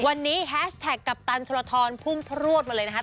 วันนี้แฮชแท็กกัปตันชลทรพุ่งพลวดมาเลยนะครับ